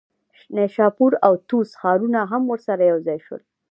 نیشاپور او طوس ښارونه هم ورسره یوځای شول.